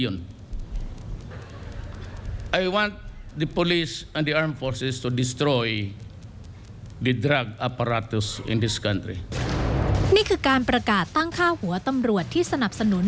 นี่คือการประกาศตั้งค่าหัวตำรวจที่สนับสนุน